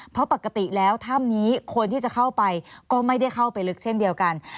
เพราะปกติแล้วถ้ำนี้คนที่จะเข้าไปก็ไม่ได้เข้าไปลึกเช่นเดียวกัน